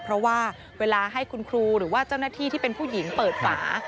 เพราะว่าเวลาให้คุณครูหรือว่าเจ้าหน้าที่ที่เป็นผู้หญิงเปิดฝา